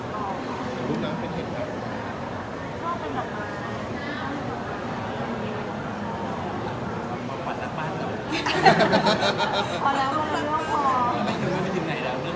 มันคืบหน้าแม้ไข่คดี